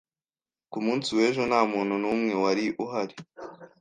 Ku munsi w'ejo nta muntu n'umwe wari uhari.